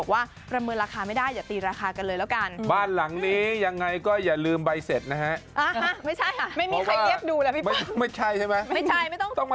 อย่างพวกเราซื้อเกงงงเกงในยังไงก็ต้องเก็บใบเต็ปไว้ด้วย